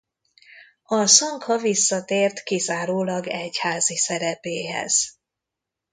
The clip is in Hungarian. A szangha visszatért kizárólag egyházi szerepéhez.